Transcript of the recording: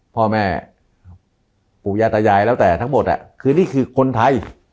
พ่อแม่ปู่ย่าตายายแล้วแต่ทั้งหมดคือนี่คือคนไทย